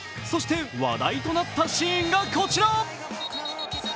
そして話題となったシーンがこちら。